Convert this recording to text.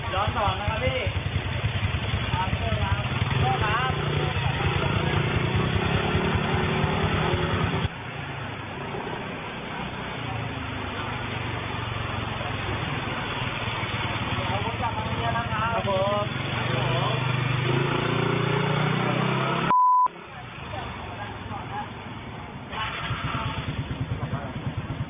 ย้อนกลับมากฎาจอดสอนเนี่ย